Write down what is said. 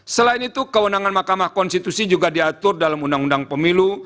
seribu sembilan ratus empat puluh lima selain itu kewenangan makamah konstitusi juga diatur dalam undang undang pemilu